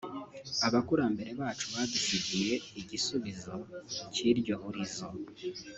Abakurambere bacu badusigiye igisubizo cy’iryo hurizo